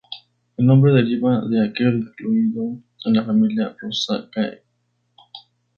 El nombre deriva de aquel incluido en la familia Rosaceae.